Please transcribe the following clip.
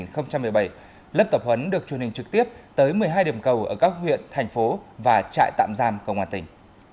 công an tỉnh sơn la đã tổ chức một mươi hai điểm cầu ở các huyện thành phố và trại tạm giam công an tỉnh